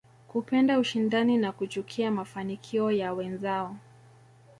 Kupenda ushindani na kuchukia mafanikio ya wenzao